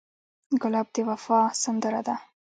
ګلاب د وفا سندره ده.